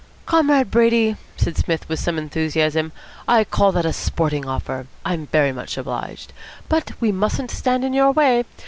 "Comrade Brady," said Psmith with some enthusiasm, "I call that a sporting offer. I'm very much obliged. But we mustn't stand in your way.